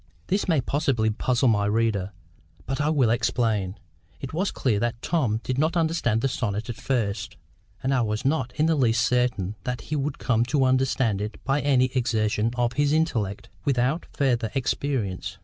This may possibly puzzle my reader; but I will explain. It was clear that Tom did not understand the sonnet at first; and I was not in the least certain that he would come to understand it by any exertion of his intellect, without further experience.